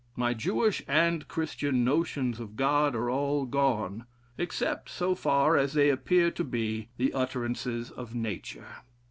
My Jewish and Christian notions of God are all gone, except so far as they appear to be the utterances of nature....